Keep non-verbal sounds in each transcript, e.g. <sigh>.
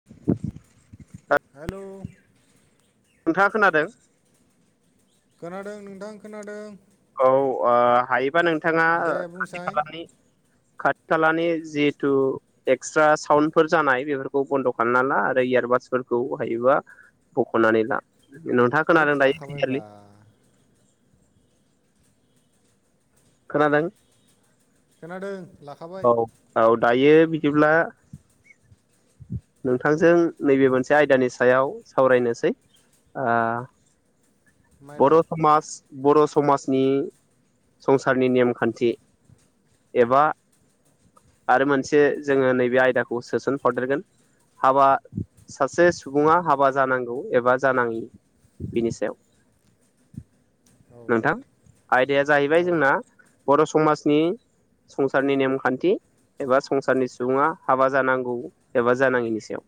<inaudible> Hello नोंथाङा खोनादों? खोनादों नोंथां खोनादों। औ ओ हायोबा नोंथाङा दे खाथि बुंसाय खालानि खा तालानि जिहेथु एक्सट्रा साउन्ड फोर जानाय बेफोरखौ बन्द' खालामना ला आरो इयारबादसफोरखौ हायोबा बख'नानै ला नोंथाङा हैद खोनादों दायो क्लियारलि <unintelligible> खोनादों। खोनादों लाखाबाय। औ औ दायो बिदिब्ला नोंथांजों नैबे मोनसे आयदानि सायाव सावरायनोसै आ माइदा बर' समाज बर' समाजनि संसारनि नेमखान्थि एबा आरो मोनसे जोङो नैबे आयदाखौ सोसन हरदेरगोन। हाबा सासे सुबुङा हाबा जानांगौ एबा जानाङि बिनि सायाव औ नोंथां आयदाया जाहैबाय औ जोंना बर' समाजनि संसारनि नेमखान्थि एबा संसारनि सुबुङा हाबा जानांगौ एबा जानाङिनि सायाव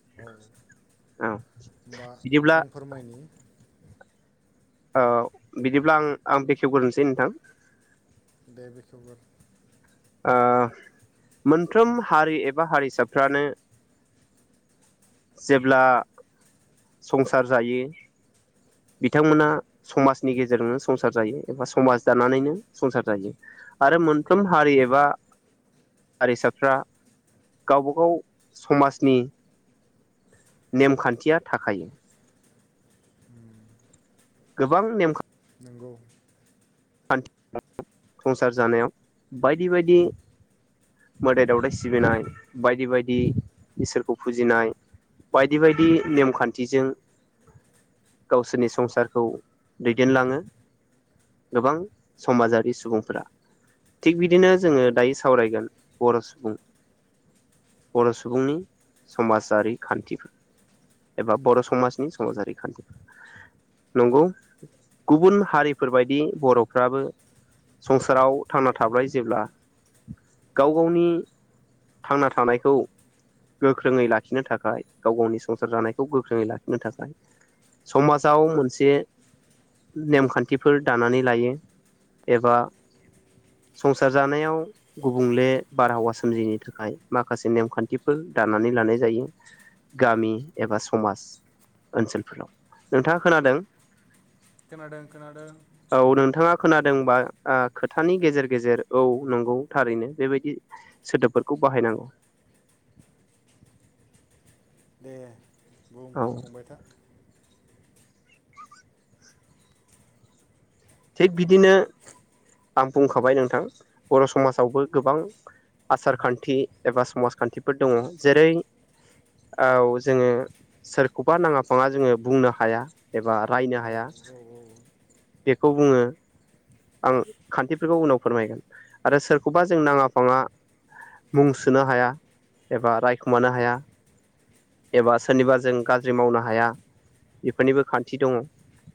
औ औ होमबा बिदिब्ला आं फोरमायनि औ बिदिब्ला आं आं बेखेवग्रोनोसै नोंथां। दे बेखेवगोर ओ मोनफ्रोम हारि एबा हारिसाफ्रानो जेब्ला संसार जायो बिथांमोना समाजनि गेजेरजोंनो संसार जायो एबा समाज दानानैनो संसार जायो आरो मोनफ्रोम हारि एबा हारिसाफ्रा गावबा गाव समाजनि नेमखान्थिया थाखायो उम गोबां नेम नोंगौ खान्थि <inaudible> संसार जानायाव बायदि बायदि मोदाय दावदाय सिबिनाय बायदि बायदि इसोरखौ फुजिनाय बायदि बायदि नेमखान्थिजों गावसोरनि संसारखौ दैदेनलाङो गोबां समाजारि सुबुंफोरा थिग बिदिनो जोङो दायो सावरायगोन बर' सुबुं बर' सुबुंनि समाजारि खान्थिफोर एबा बर' समाजनि समाजारि खान्थि नंगौ गुबुन हारिफोर बाय दि बर'फ्राबो संसाराव थांना थाबाय जेब्ला गाव गावनि थांना थानायखौ गोख्रोङै लाखिनो थाखाय गाव गावनि संसार जानायखौ गोख्रोङै लाखिनो थाखाय समाजाव मोनसे नेमखान्थि फोर दानानै लायो एबा संसार जानायाव गुबुंले बारहावा सोमजिनो थाखाय माखासे नेमखान्थिफोर दानानै लानाय जायो गामि एबा समाज ओनसोलफोराव नोंथाङा खोनादों खोनादों खोनादों औ नोंथाङा खोनादोंबा खोथानि गेजेर गेजेर औ नंगौ थारैनो बेबायदि सोदोबफोरखौ बाहायनांगौ दे बुं औ बुंबाय था थिग बिदिनो आं बुंखाबाय नोंथां बर' समाजावबो गोबां आसार खान्थि एबा समाजखान्थिफोर दङ जेरै- औ जोङो सोरखौबा नाङा फाङा जोङो बुंनो हाया एबा रायनो हाया <unintelligible> खौ बुङो आं खान्थिफोरखौ उनाव फोरमायगोन आरो सोरखौबा जों नाङा फाङा मुं सोनो हाया एबा रायखुमानो हाया एबा सोरनिबा जों गाज्रि मावनो हाया एफोरनिबो खान्थि दङ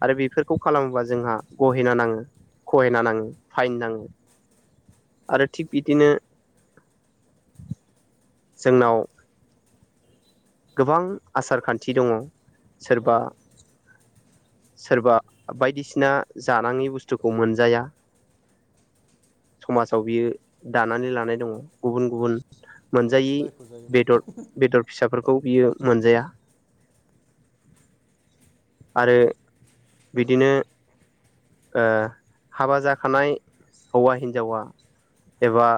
आरो बेफोरखौ खालामोबा जोंहा गहेना नाङो खहेना नाङो फाइन नाङो आरो थिग बिदिनो जोंनाव गोबां आसार खान्थि दङ औ सोरबा सोरबा बायदिसिना जानाङि बुस्थुखौ मोनजाया समाजाव बियो दानानै लानाय दङ गुबुन गुबुन मोनजायि जायखौ जायोबा बेदर बेदर फिसाफोरखौ बियो मोनजाया आरो बिदिनो ओ हाबा जाखानाय हौवा हिन्जावा एबा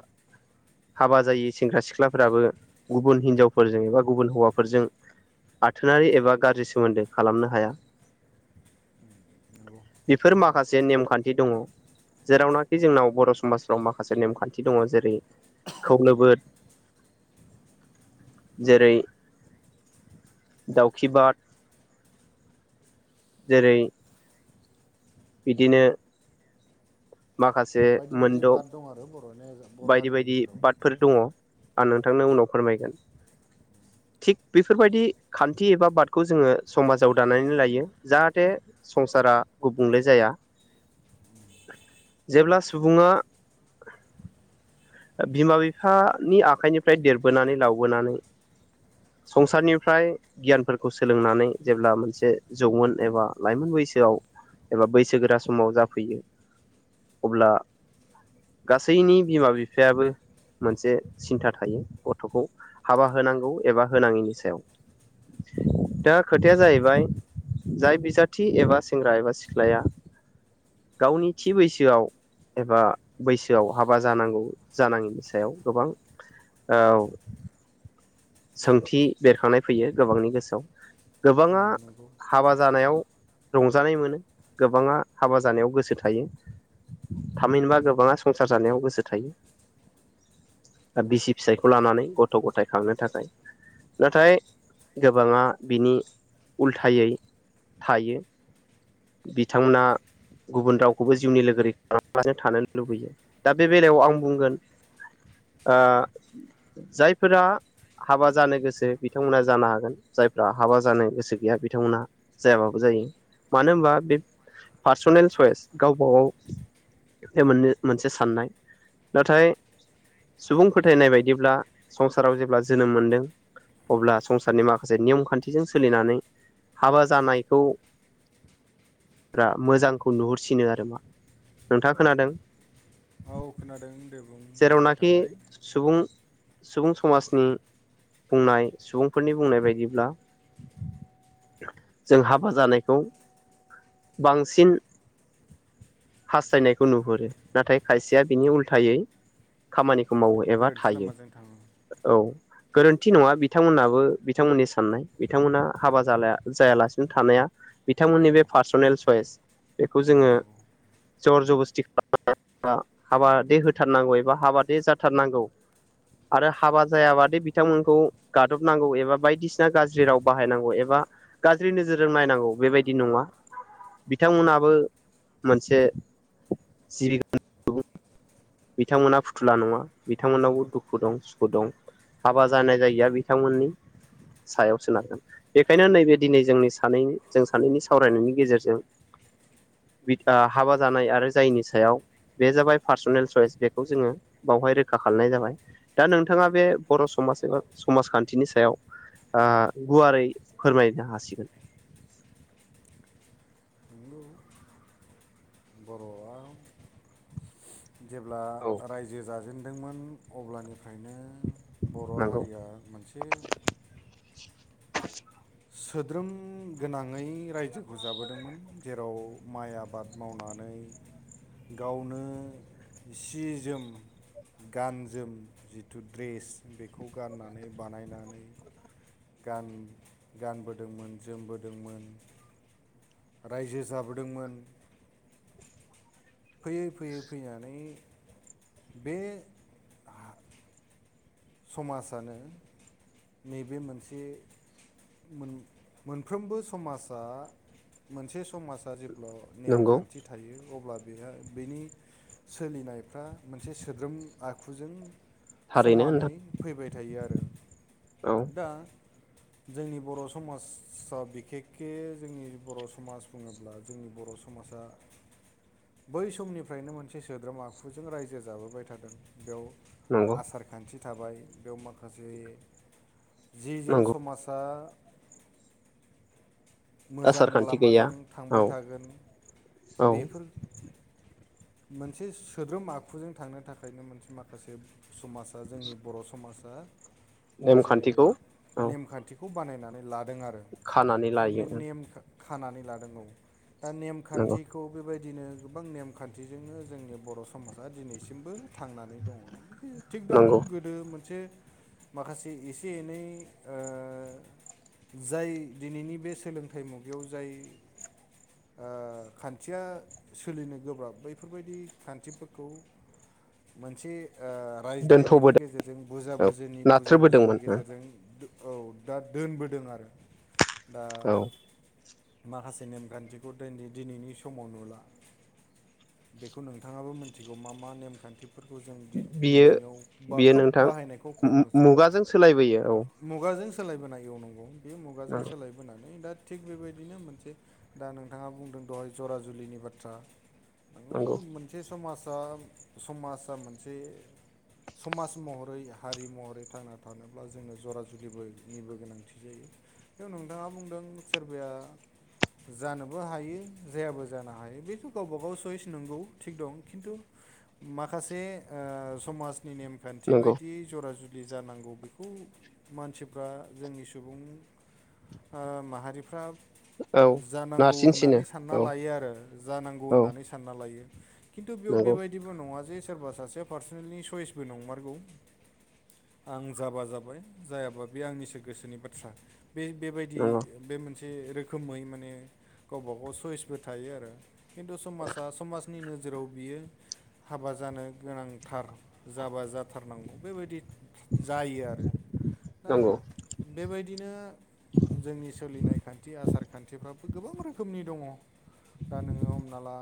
हाबा जायै सेंग्रा सिख्लाफोराबो गुबुन हिनजावफोरजों एबा गुबुन हौवाफोरजों आथोनारि एबा गाज्रि सोमोन्दो खालामनो हाया नंगौ बेफोर कारेक्ट माखासे नेमखान्थि दङ जेरावनाखि जोंनाव बर' समाजफ्राव माखासे नेमखान्थि दङ जेरै खौलोबोद जेरै दावखि बाद जेरै बिदिनो माखा से बायदि बायदि मोनद' बाद दं आरो बर'नि बर' बायदि हारिनि बायदि गेजेराव बादफोर दङ आं नोंथांनो उनाव फोरमायगोन। थिग बेफोरबायदि खान्थि एबा बादखौ जोंङो समाजाव दानानै लायो। जाहाथे संसारा गुबुंले जाया जेब्ला सुबुङा बिमा बिफानि आखाइनिफ्राय देरबोनानै लावबोनानै संसारनिफ्राय गियानफोरखौ सोलोंनानै जेब्ला मोनसे जौमोन एबा लाइमोन बैसोआव एबा बैसोगोरा समाव जाफैयो अब्ला गासैनि बिमा बिफायाबो मोनसे सिन्था थायो गथ'खौ हाबा होनांगौ एबा होनाङिनि सायाव दा खोथाया जाहैबाय जाय बिजाथि एबा सेंग्रा एबा सिख्लाया गावनि थि बैसोआव एबा बैसोआव हाबा जानांगौ जानाङैनि सायाव गोबां औ सोंथि बेरखांनाय फैयो गोबांनि गोसोआव उम गोबाङा नंगौ हाबा जानायाव रंजानाय मोनो गोबाङा हाबा जानायाव गोसो थायो थामहिनबा गोबाङा संसार जानायाव गोसो थायो। बिसि फिसायखौ लानानै गथ' गथाय खांगोन। थाखाय नाथाय गोबाङा बिनि उल्थायै थायो बिथांमोना गुबुन रावखौबो जिउनि लोगोरि खालामा लासे थानो लुबैयो दा बे बेलायाव आं बुंगोन ओ जायफोरा हाबा जानो गोसो बिथांमोनहा जानो हागोन जायफ्रा हाबा जानो गोसो गैया बिथांमोना जायाबाबो जायो मानो होनबा बे पार्सनेल सयस गावबागाव बे मोन-मोनसे साननाय नाथाय सुबुं फोथायनाय बायदिब्ला संसाराव जेब्ला जोनोम मोनदों अब्ला संसारनि माखासे नियम खान्थिजों सोलिनानै हाबा जानायखौ फोरा मोजांखौ नुहुरसिनो आरो मा नोंथाङा खोनादों औ खोनादों दे बुं बुंबाय जेरावनाखि थालाय सुबुं-सुबुं समाजनि बुंनाय सुबुंफोरनि बुंनाय बायदिब्ला जों हाबा जानायखौ बांसिन हास्थायनायखौ नुहुरो नाथाय खायसेया बिनि उल्थायै खामानिखौ मावो एबा गोरोन्थि थायो लामाजों थाङो औ गोरोन्थि नङा बिथांमोनाबो बिथांमोननि साननाय बिथांमोनहा हाबा जालाया जायालासिनो थानाया बिथांमोननि बे पार्सनेल सयस बेखौ औ जोङो नोंगौ जर जबस्थि खालाम हाबा दे हो थारनांगौ एबा हाबादे जाथारनांगौ आरो हाबा जायाबादि बिथांमोनखौ गादबनांगौ एबा बायदिसिना गाज्रि राव बाहायनांगौ एबा गाज्रि नोजोरजों नायनांगौ बेबायदि नङा बिथांमोनाबो मोनसे जिब बिथांमोनहा फुथुला नङा बिथांमोनावबो दुखु दं सुखु दं हाबा जानाय जायिया बिथांमोननि सायाव सोनारगोन। बेखायनो नैबे दिनै जोंनि सानै जों सानैनि सावरायनायनि गेजेरजों बि आ हाबा जानाय आरो जायिनि सायाव बे जाबाय पार्सनेल चयस बेखौ जोङो बावहाय रोखा खालामनाय जाबाय। दा नोंथाङा बे बर' समाज एबा समाजखान्थिनि सायाव आ गुवारै फोरमायनो हासिगोन। नंगौ। बर'आ जेब्ला औ रायजो जाजेनदोंमोन अब्लानिफ्रायनो बर' नंगौ हारिया मोनसे सोद्रोम गोनाङै रायजोखौ जाबोदोंमोन जेराव माइ आबाद मावनानै गावनो सि जोम गान जोम जिथु ड्रेस बेखौ गाननानै बानायनानै गान-गानबोदोंमोन जोमबोदोंमोन, रायजो जाबोदोंमोन, फैयै फैयै फैनानै बे समाजानो नैबे मोनसे मोन-मोनफ्रोमबो समाजा मोनसे समाजा जेब्ला नंगौ नेमखान्थि थायो अब्ला बेहा बेनि सोलिनायफ्रा मोनसे सोद्रोम आखुजों थारैनो समानै नोंथां फैबाय थायो आरो। औ दा जोंनि बर' समाजआव बिखेकके जोंनि बर' समाज बुङो ब्ला जोंनि बर' समाजा <unintelligible> बै समनिफ्रायनो मोनसे सोद्रोम आखुजों रायजो जाबोबाय थादों बेयाव नंगौ आसार खान्थि थाबाय बेव माखासे जिजों नंगौ समाजा मोजां आसार खान्थि गैया लामाजों थांबाय औ थागोन औ बेफोर मोनसे सोद्रोम आखुजों थांनो थाखायनो मोनसे माखासे समाजा जोंनि बर' समाजा मोनसे नेमखान्थिखौ औ नेमखान्थि खौ बानायनानै लादों आरो खानानै लायो थारमाने नेम खानानै लादों औ। दा नेम नंगौ खान्थि खौ बेबायदिनो गोबां नेमखान्थिजोंनो जोंनि बर' समाजा दिनैसिमबो थांनानै दङ'। उम थिग दं नंगौ गोदो मोनसे माखासे एसे एनै ओ जाय दिनैनि बे सोलोंथाइ मुगायाव जाय ओ खान्थिया सोलिनो गोब्राब बैफोरबायदि खान्थिफोरखौ मोनसे ओ रायज्लायनायनि दोनथ'बोदों गेजेरजों बुजा औ बुजिनि बुजा बुजिनि नाथ्रोबोदोंमोन गेजेरजों औ दा दोनबोदों आरो। दा औ माखासे नेमखान्थिखौ दोनदि दिनैनि समाव नुला। बेखौ नोंथाङाबो मोन्थिगौ मा मा नेमखान्थिफोरखौ जों बियो दि-दिनैनियाव बा बियो खोब नोंथां बाहायनायखौ खम नुसै मु-मुगाजों सोलायबोयो औ मुगाजों सोलायबोनाय औ नंगौ बे मुगाजों सोलायबोनानै दा थिग बेबायदिनो मोनसे दा नोंथांङा बुंदों दहाय जरा जुलिनि बाथ्रा। नंगौ मोनसे समाजा समाजा मोनसे समाज महरै हारि महरै थांना थानोब्ला जोंङो जरा जुलिबोनिबो गोनांथि जायो। <unintelligible> नोंथांङा बुंदों सोरबाया जानोबो हायो जायाबो जानो हायो बेथ' गावबा गाव चयस नंगौ थिग दं खिन्थु माखासे ओ समाजनि नेमखान्थि नंगौ बायदि जरा जु लि जानांगौ बेखौ मानसिफ्रा जोंनि सुबुं ओ माहारिफ्रा औ जानांगौ नारसिनसिनो होननानै सानना औ लायो आरो जानांगौ औ होननानै सानना लायो। खिन्थु बेयाव नंगौ बेबायदिबो नंङा जे सोरबा सासेया पार्सनेेलनि सयसबो नंङा। आं जाबा जाबाय जायाबा बे आंनिसो गोसोनि बाथ्रा। बे बेबायदि नंगौ बे मोनसे रोखोमै माने गावबा गाव सइसबो थायो आरो खिन्थु समाजा समाजनि नोजोराव बियो हाबा जानो गोनांथार जाबा जाबा जाथारनांगौ बेबायदि जायो आरो दा नंगौ बेबायदिनो जोंनि सोलिनाय खान्थि, आसार-खान्थिफ्राबो गोबां रोखोमनि दंङ। दा नोंङो हमना ला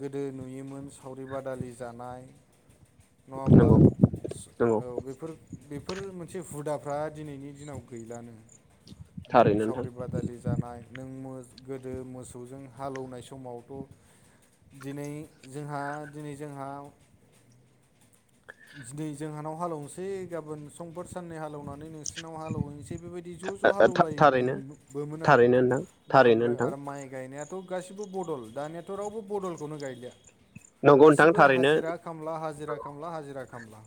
गोदो नुयोमोन सावरि बादालि जानाय नंङा होमबा नंगौ नंगौ औ बेफोर बेफोर मोन इस हुदाफ्रा दिनैनि दिनाव गैलानो नों थारैनो नोंथां सावरि बाद बादि जानाय नों गोदो मोसौजों हालौनाय समावथ' दिनै जोंहा दिनै जोंहा दिनै जोंहानाव हालेवनोसै गाबोन समफोर साननै हालेवनानै नोंसोर बिनाव हालेवहैनोसै बेबायदि ज' ज' थारैनो हालौवलायोमोनबो आरो। थारैनो नोंथां दा थारैनो ओमफ्राय नोंथां आरो माइ गायनायाथ' गासिबो बदल दानियाथ' रावबो बदलखौनो गायलिया। नंगौ नोंथां गासिबो थारैनो हाजिरा खामला हाजिरा खामला हाजिरा खामला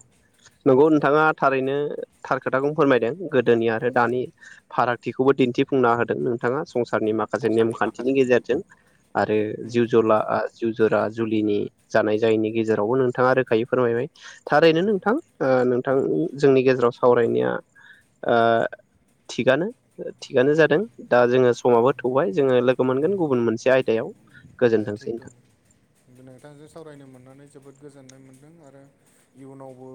नंगौ नोंथांङा थारैनो थार खोथाखौनो फोरमायदों गोदोनि आरो दानि फाराग थिखौबो दिन्थिफुंना होदों नोंथांङा संसारनि माखासे संसारनि नेमखान्थिनि माखासे गेजेरजों आरो जिउ उम जला जिउ जरा जुलिनि जानाय जायैनि गेजेरावबो नोंथांङा रोखायै फोरमायबाय। थारैनो नोंथां ओ दा नोंथां जोंनि गेजेराव सावरायनाया ओ थिगानो। थिगानो जादों। दा जोंङो समाबो थौबाय जोंङो लोगो मोनगोन गुबुन मोनसे आयदायाव। दे गोजोनथोंसै थिग नोंथां। नोंथांजों सावरायनो मोननानै जोबोद गोजोननाय मोन्दों आरो इयुनावबो